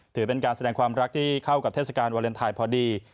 ถือเป็นการแสดงความรักที่เข้ากับเทศกาลวาเลนไทยพอดี